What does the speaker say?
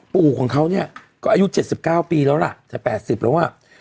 ปู่ของเขาเนี่ยก็อายุ๗๙ปีแล้วล่ะจะ๘๐แล้วอ่ะ